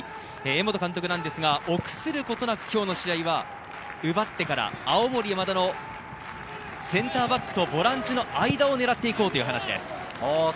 江本監督ですが臆することなく、今日の試合は奪ってから青森山田のセンターバックとボランチの間を狙っていこうという話です。